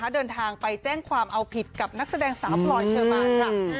เดินทางไปแจ้งความเอาผิดกับนักแสดงสาวพลอยเชอร์มานค่ะ